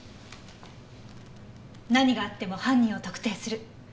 何があっても犯人を特定する。